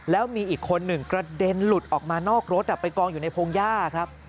แล้วมีอีกคนหนึ่งกระเด็นหลุดออกมานอกรถไปกองอยู่ในพงหญ้าครับ